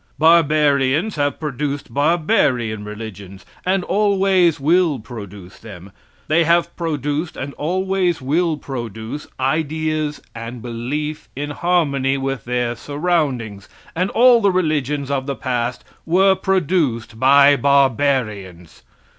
Barbarians have produced barbarian religions, and always will produce them. They have produced, and always will produce, ideas and belief in harmony with their surroundings, and all the religions of the past were produced by barbarians.